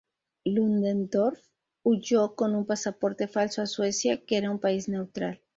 Ludendorff huyó con un pasaporte falso a Suecia, que era un país neutral.